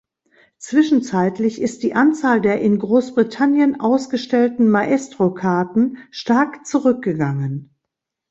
Zwischenzeitlich ist die Anzahl der in Großbritannien ausgestellten Maestro-Karten stark zurückgegangen.